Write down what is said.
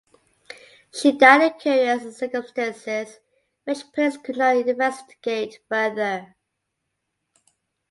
She died in curious circumstances, which police could not investigate further.